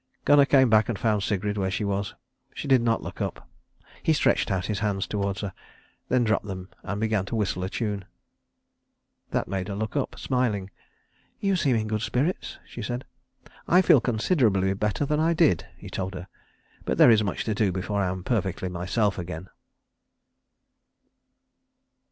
Gunnar came back and found Sigrid where she was. She did not look up. He stretched out his hands towards her, then dropped them and began to whistle a tune. That made her look up smiling. "You seem in good spirits," she said. "I feel considerably better than I did," he told her, "but there is much to do before I am perfectly myself again."